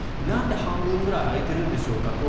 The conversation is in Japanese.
なんで半分くらい空いているんでしょうか。